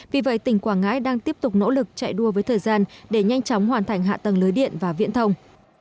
vì vậy tỉnh quảng ngãi đang tiếp tục nỗ lực chạy đua với thời gian để nhanh chóng hoàn thành hạ tầng lưới điện và viễn thông